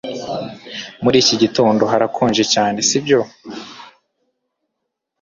Muri iki gitondo harakonje cyane sibyo